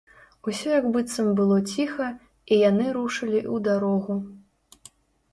Усё як быццам было ціха, і яны рушылі ў дарогу.